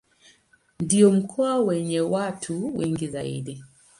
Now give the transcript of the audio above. Ndio mkoa wenye watu wengi zaidi.